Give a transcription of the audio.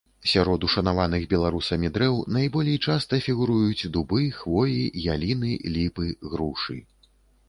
Сярод ушанаваных беларусамі дрэў найболей часта фігуруюць дубы, хвоі, яліны, ліпы, грушы.